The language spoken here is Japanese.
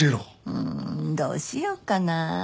うんどうしよっかな。